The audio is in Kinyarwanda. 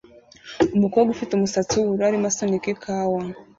Umukobwa ufite umusatsi wubururu arimo asunika ikawa